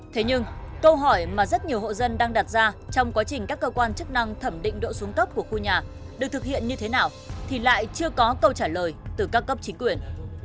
thế nhưng câu hỏi mà rất nhiều hộ dân đang đặt ra trong quá trình các cơ quan chức năng thẩm định độ xuống cấp của khu nhà được thực hiện như thế nào thì lại chưa có câu trả lời từ các cấp chính quyền